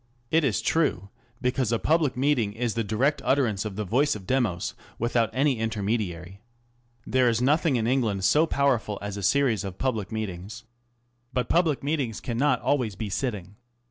It is true, because a public meeting is the direct utterance of the voice of Demos without any intermediary. There is nothing in England so powerful as a series of public meet ings. But publid meetings cannot always be sitting.